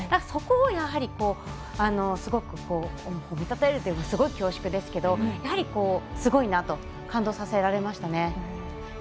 そこをすごく褒めたたえるというのはすごい恐縮ですがやはり、すごいなと感動させられましたね。